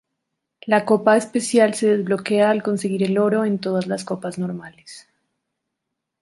La copa especial se desbloquea al conseguir el oro en todas las copas normales.